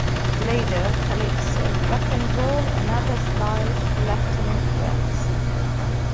Later, calypso, rock and roll and other styles left an influence.